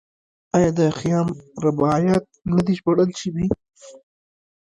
آیا د خیام رباعیات نه دي ژباړل شوي؟